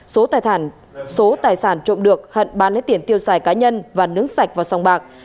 số tài sản trộm được hận bán lấy tiền tiêu xài cá nhân và nướng sạch vào sòng bạc